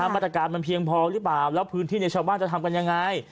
มาตรการมันเพียงพอหรือเปล่าแล้วพื้นที่ในชาวบ้านจะทำกันยังไง